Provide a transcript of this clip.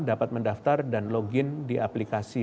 dapat mendaftar dan login di aplikasi